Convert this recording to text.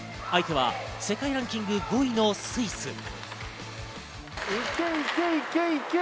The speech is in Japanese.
相手は世界ランキング５位のスイス。